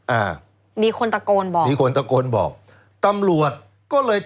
อ่ามีคนตะโกนบอกมีคนตะโกนบอกตำรวจก็เลย